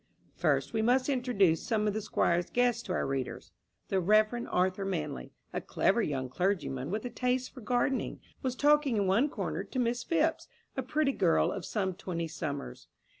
First we must introduce some of the Squire's guests to our readers. The Reverend Arthur Manley, a clever young clergyman with a taste for gardening, was talking in one corner to Miss Phipps, a pretty girl of some twenty summers.